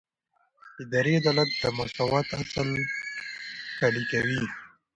اداري عدالت د مساوات اصل پلي کوي.